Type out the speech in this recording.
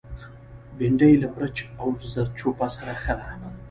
بېنډۍ له مرچ او زردچوبه سره ښه ده